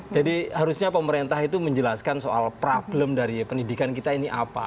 jadi harusnya pemerintah itu menjelaskan soal problem dari pendidikan kita ini apa